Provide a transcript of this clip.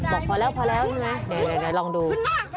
บอกพอแล้วเดี๋ยวลองดู